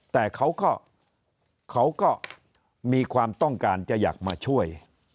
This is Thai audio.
แต่เขาก็มีความต้องการจะอยากมาช่วย